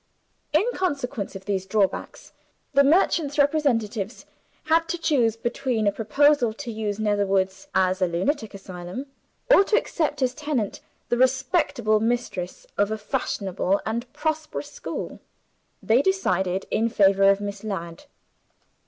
In consequence of these drawbacks, the merchant's representatives had to choose between a proposal to use Netherwoods as a lunatic asylum, or to accept as tenant the respectable mistress of a fashionable and prosperous school. They decided in favor of Miss Ladd.